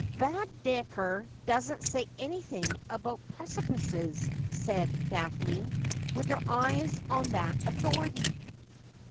' Baedeker doesn't say anything about precipices,' said Daphne, with her eyes on that authority.